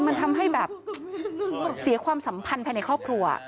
มันทำให้แบบเสียความสัมพันธ์ภายในครอบครัว